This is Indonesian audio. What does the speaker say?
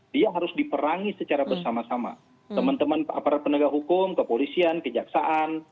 dia harus diperangi secara bersama sama teman teman aparat penegak hukum kepolisian kejaksaan